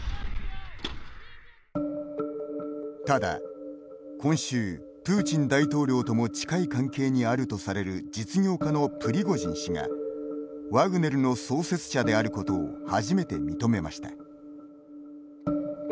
ただ、今週、プーチン大統領とも近い関係にあるとされる実業家のプリゴジン氏がワグネルの創設者であることを初めて認めました。